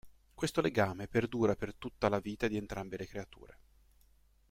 Questo legame perdura per tutta la vita di entrambe le creature.